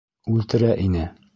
Үлтерә ине!